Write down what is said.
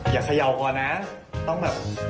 อย่าเขย่าก่อนนะต้องแบบ